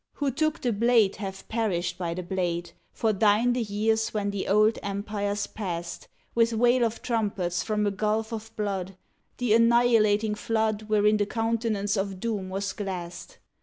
Who took the blade have perished by the blade, For thine the years when the old empires passed, With wail of trumpets from a gulf of blood, The annihilating flood Wherein the countenance of Doom was glassed.